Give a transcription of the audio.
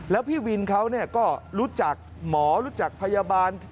แล้วพี่วินเขาก็รู้จักหมอรู้จักพยาบาล